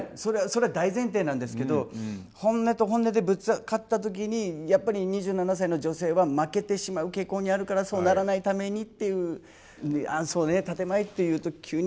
それは大前提なんですけど本音と本音でぶつかった時にやっぱり２７歳の女性は負けてしまう傾向にあるからそうならないためにっていう。